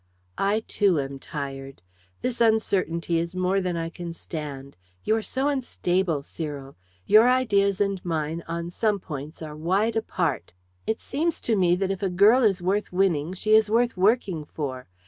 "I too am tired. This uncertainty is more than I can stand; you are so unstable, Cyril. Your ideas and mine on some points are wide apart. It seems to me that if a girl is worth winning, she is worth working for.